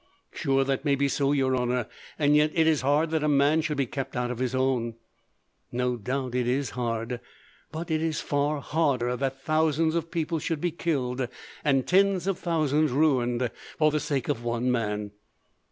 "Sure that may be so, your honour; and yet, it is hard that a man should be kept out of his own." "No doubt it is hard; but it is far harder that thousands of people should be killed, and tens of thousands ruined, for the sake of one man."